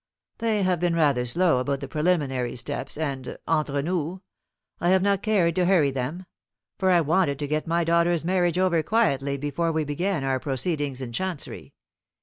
They have been rather slow about the preliminary steps; and, entre nous, I have not cared to hurry them, for I wanted to get my daughter's marriage over quietly before we began our proceedings in Chancery.